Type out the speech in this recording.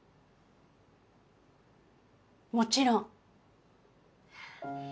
もちろん。